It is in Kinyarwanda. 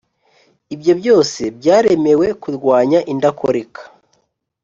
Ibyo byose byaremewe kurwanya indakoreka,